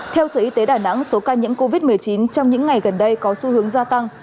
theo sở y tế đà nẵng số ca nhiễm covid một mươi chín trong những ngày gần đây có xu hướng gia tăng